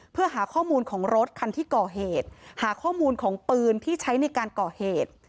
เพื่อหาข้อมูลของรถคันที่ก่อเหตุหาข้อมูลของปืนที่ใช้ในการก่อเหตุ